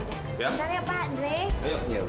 sebentar ya pak andre